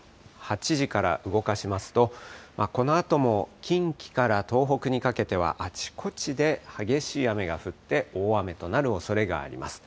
８時から動かしますと、このあとも近畿から東北にかけてはあちこちで激しい雨が降って、大雨となるおそれがあります。